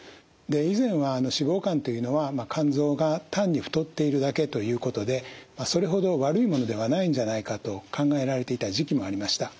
以前は脂肪肝というのは肝臓が単に太っているだけということでそれほど悪いものではないんじゃないかと考えられていた時期もありました。